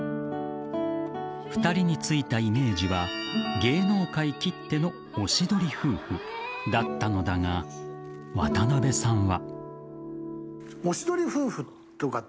２人についたイメージは芸能界きってのおしどり夫婦だったのだが渡辺さんは。